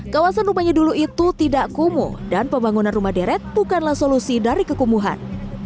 kawasan rumahnya dulu itu tidak kumuh dan pembangunan rumah deret bukanlah solusi dari kekumuhan